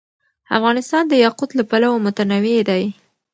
افغانستان د یاقوت له پلوه متنوع دی.